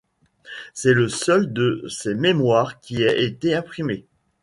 C’est le seul de ses mémoires qui ait été imprimé.